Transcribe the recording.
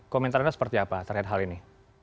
komentar anda seperti apa terkait hal ini